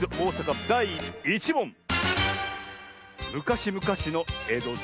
むかしむかしのえどじ